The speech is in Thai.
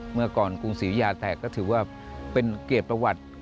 เมื่อก่อนกรุงศรียุยาแตกก็ถือว่าเป็นเกียรติประวัติ